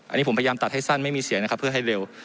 อันนี้ผมพยายามตัดให้สั้นไม่มีเสียงนะครับเพื่อให้เร็ว